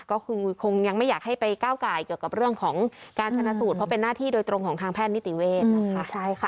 ก็คือคงยังไม่อยากให้ไปก้าวไก่เกี่ยวกับเรื่องของการชนะสูตรเพราะเป็นหน้าที่โดยตรงของทางแพทย์นิติเวศนะคะ